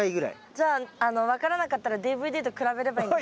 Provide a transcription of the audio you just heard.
じゃあ分からなかったらＤＶＤと比べればいいんですね。